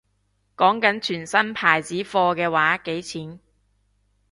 講緊全新牌子貨嘅話幾錢